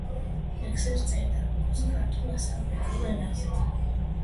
ლექსებს წერდა როგორც ქართულ, ასევე მეგრულ ენაზე.